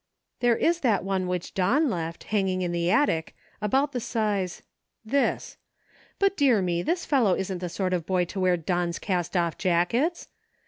There is that one which Don left, hanging in the attic, about the size ,. this. But, dear me, this fellow isn't the sort of boy to wear Don's cast off jackets